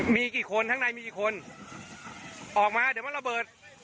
มีกี่คนข้างในมีกี่คนออกมาเดี๋ยวมันระเบิด